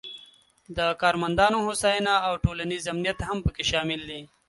د کارمندانو هوساینه او ټولنیز امنیت هم پکې شامل دي.